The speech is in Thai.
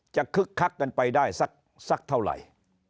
คึกคักกันไปได้สักเท่าไหร่